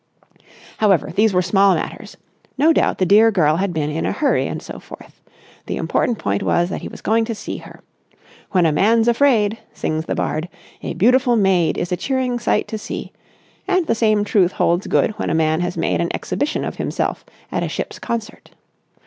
However, these were small matters. No doubt the dear girl had been in a hurry and so forth. The important point was that he was going to see her. When a man's afraid, sings the bard, a beautiful maid is a cheering sight to see; and the same truth holds good when a man has made an exhibition of himself at a ship's concert.